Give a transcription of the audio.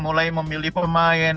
mulai memilih pemain